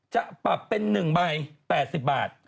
จะปรับเป็น๑ใบ๘๐บาท